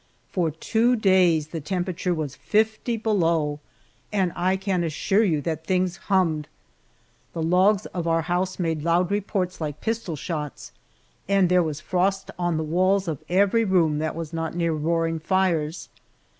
For two days the temperature was fifty below, and I can assure you that things hummed! The logs of our house made loud reports like pistol shots, and there was frost on the walls of every room that were not near roaring fires.